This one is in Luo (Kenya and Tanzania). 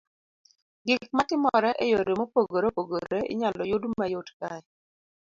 Gik ma timore e yore mopogore mopogore inyalo yud mayot kae.